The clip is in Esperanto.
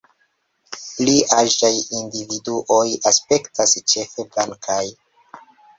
Pli aĝaj individuoj aspektas ĉefe blankaj.